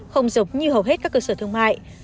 không giống như hầu hết các cơ sở thương mại